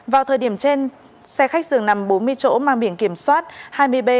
vào thời điểm trên xe khách dường nằm bốn mươi chỗ mang biển kiểm soát hai mươi b chín trăm một mươi một